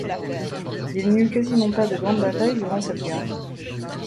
Il n’y eut quasiment pas de grandes batailles durant cette guerre.